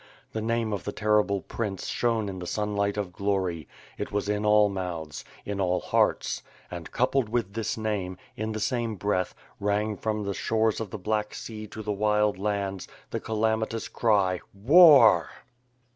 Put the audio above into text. The name of the terrible prince shone in the sunlight of glory — it was in all mouths, in all hearts and, coupled with this name, in the same breath, rang, from the shores of the Black Sea to the Wild Lands the calamitous cry, "War!"